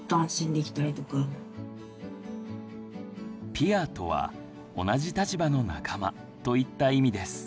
「ピア」とは同じ立場の仲間といった意味です。